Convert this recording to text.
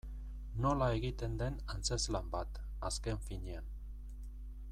Nola egiten den antzezlan bat, azken finean.